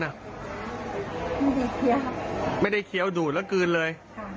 ไม่ได้เคี้ยวครับไม่ได้เคี้ยวดูดแล้วกลืนเลย